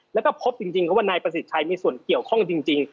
แล้วก็พบจริงว่านายประสิทธิ์ชัยมีส่วนเกี่ยวข้องจริง